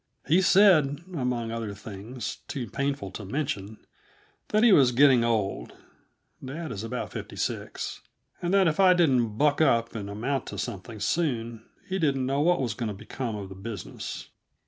He said, among other things too painful to mention, that he was getting old dad is about fifty six and that if I didn't buck up and amount to something soon, he didn't know what was to become of the business.